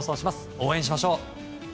応援しましょう。